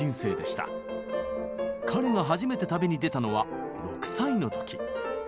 彼が初めて旅に出たのは６歳の時。